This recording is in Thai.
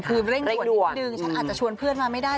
คือเร่งด่วนนิดนึงฉันอาจจะชวนเพื่อนมาไม่ได้